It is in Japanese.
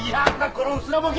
このうすらボケ！